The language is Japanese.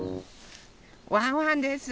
ワンワンです。